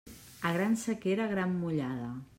A gran sequera, gran mullada.